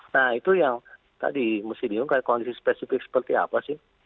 nah itu yang tadi musti diunggah kondisi spesifik seperti apa sih